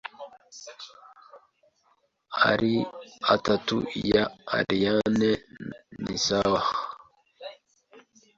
Ari atatu ya ariane ni sawa